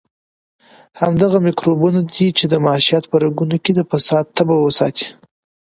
همدغه میکروبونه دي چې د معیشت په رګونو کې د فساد تبه وساتي.